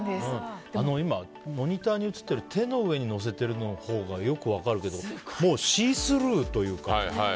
今、モニターに映ってる手の上に乗せてるほうがよく分かるけどもうシースルーというか。